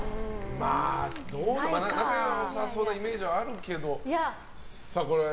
仲良さそうなイメージはあるけど。